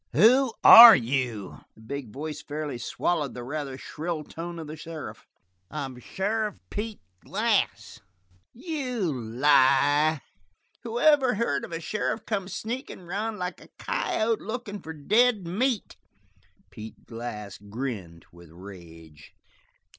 "Who are you?" The big voice fairly swallowed the rather shrill tone of the sheriff. "I'm sheriff Pete Glass." "You lie. Whoever heard of a sheriff come sneakin' round like a coyote lookin' for dead meat?" Pete Glass grinned with rage.